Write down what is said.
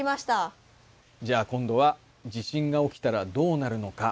じゃあ今度は地震が起きたらどうなるのか。